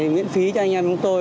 miễn phí cho anh em chúng tôi